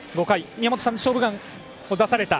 宮本さんが「勝負眼」を出された